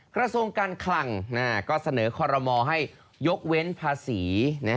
กระทรวงการคลังก็เสนอคอรมอให้ยกเว้นภาษี